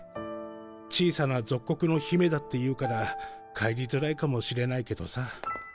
小さな属国の公主だっていうから帰りづらいかもしれないけどさ。